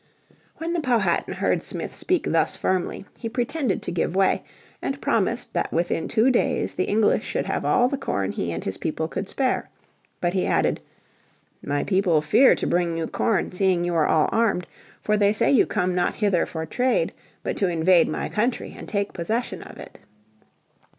When the Powhatan heard Smith speak thus firmly he pretended to give way and promised that within two days the English should have all the corn he and his people could spare. But he added, "My people fear to bring you corn seeing you are all armed, for they say you come not hither for trade, but to invade my country and take possession of it.